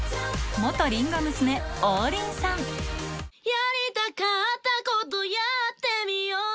やりたかったことやってみよう